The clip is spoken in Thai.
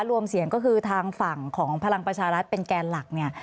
รวมเสียงก็คือทางฝั่งของพลังประชารัฐเป็นแกนหลักเนี่ย